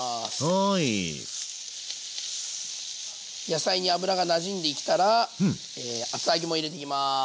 野菜に脂がなじんできたら厚揚げも入れていきます。